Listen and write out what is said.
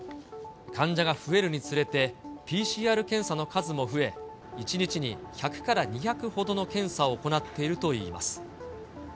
患者が増えるにつれて、ＰＣＲ検査の数も増え、１日に１００から２００ほどの検査を行っているといいます。